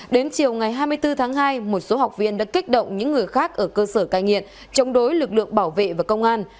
đến chiều ngày hai mươi bốn tháng hai một số học viên đã kích động những người khác ở cơ sở cai nghiện chống đối lực lượng bảo vệ và công an